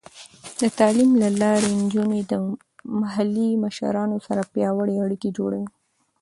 د تعلیم له لارې، نجونې د محلي مشرانو سره پیاوړې اړیکې جوړوي.